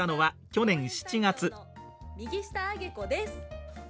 右下アゲ子です。